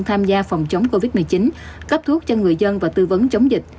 tham gia phòng chống covid một mươi chín cấp thuốc cho người dân và tư vấn chống dịch